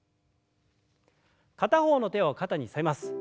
片方の手を肩にのせます。